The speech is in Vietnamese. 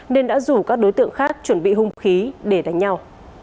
nên đã rủ các đối tượng khác chuẩn bị hung khí để đánh nhau